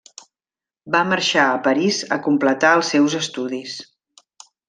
Va marxar a París a completar els seus estudis.